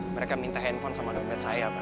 mereka minta handphone sama dompet saya pak